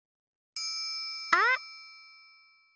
あっ！